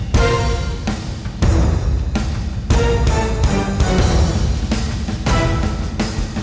bukan putri yang kamu cari cari itu